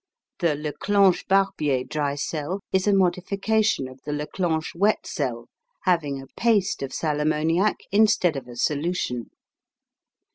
The Leclanche Barbier dry cell is a modification of the Leclanche wet cell, having a paste of sal ammoniac instead of a solution.